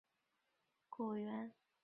在伊犁的霍城也进入果园。